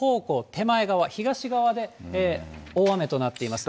手前側、東側で大雨となっています。